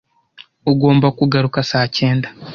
Ugomba kugaruka saa cyenda.